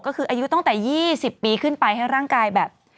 ก็คืออายุตั้งแต่๒๐ปีขึ้นไปให้ร่างกายแบบ